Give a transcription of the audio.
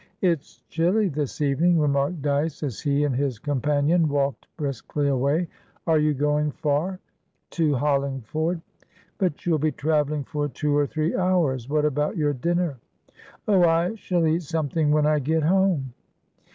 "It's chilly this evening," remarked Dyce, as he and his companion walked briskly away. "Are you going far?" "To Hollingford." "But you'll be travelling for two or three hours. What about your dinner?" "Oh, I shall eat something when I get home."